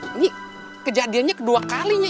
ini kejadiannya kedua kalinya